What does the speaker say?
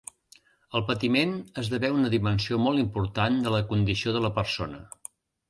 El patiment esdevé una dimensió molt important de la condició de la persona.